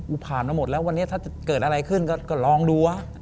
ผ่านมาหมดแล้ววันนี้ถ้าเกิดอะไรขึ้นก็ลองดูว่า